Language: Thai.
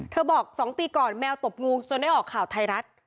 บอก๒ปีก่อนแมวตบงูจนได้ออกข่าวไทยรัฐ